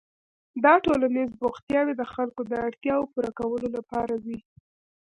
دا ټولنیز بوختیاوې د خلکو د اړتیاوو پوره کولو لپاره وې.